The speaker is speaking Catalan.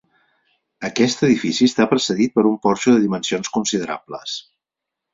Aquest edifici està precedit per un porxo de dimensions considerables.